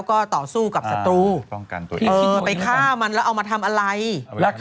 โอเคคุณมิว